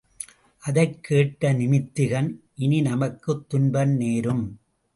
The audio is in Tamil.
அதைக் கேட்ட நிமித்திகன், இனி நமக்குத் துன்பம் நேரும்.